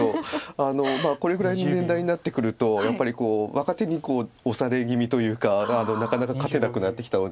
これぐらいの年代になってくるとやっぱり若手に押され気味というかなかなか勝てなくなってきたので。